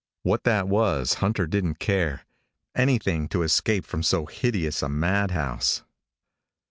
What that was, Hunter didn't care. Anything to escape from so hideous a madhouse.